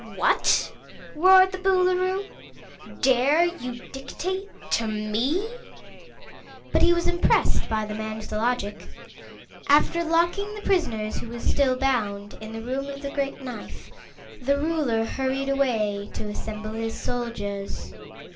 "What!" roared the Boolooroo, "dare you dictate to me?" But he was impressed by the man's logic. After locking the prisoners, who were still bound, in the Room of the Great Knife, the Ruler hurried away to assemble his soldiers.